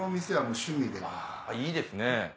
あぁいいですね。